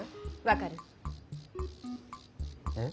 分かる？え？